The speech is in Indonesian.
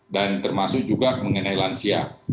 dan termasuk juga mengenai lansia